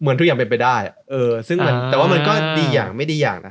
เหมือนทุกอย่างเป็นไปได้แต่ก็มันดีอย่างไม่ดีอย่างนะ